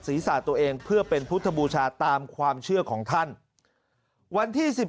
สาดตัวเองเพื่อเป็นพุทธบูชาตามความเชื่อของท่านวันที่๑๓